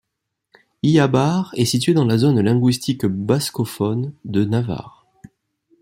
Ihabar est situé dans la zone linguistique bascophone de Navarre.